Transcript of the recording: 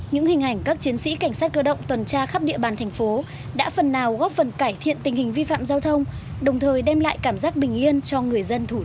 những hình ảnh các chiến sĩ cảnh sát cơ động tuần tra khắp địa bàn thành phố đã phần nào góp phần cải thiện tình hình vi phạm giao thông đồng thời đem lại cảm giác bình yên cho người dân thủ đô